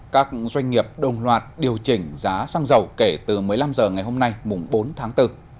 các doanh nghiệp đồng loạt điều chỉnh giá xăng dầu kể từ một mươi năm h ngày hôm nay mùng bốn tháng bốn